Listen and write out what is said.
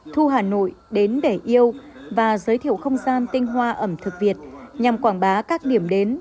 thu hà nội đến để yêu và giới thiệu không gian tinh hoa ẩm thực việt nhằm quảng bá các điểm đến